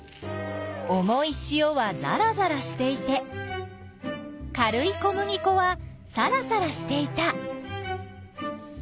重いしおはざらざらしていて軽い小麦粉はさらさらしていた。